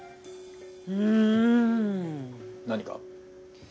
うん。何か？